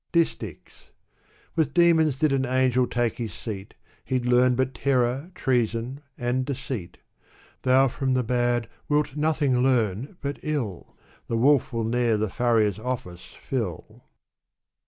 J?istichs. With demons did an angel take his seat, He'd learn but terror, treason, and deceit : Thou from the bad wilt nothing learn but ill ; The wolf will ne'er the furrier's oflSce fill.